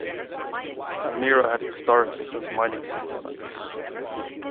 Elmira had its start as a mining settlement.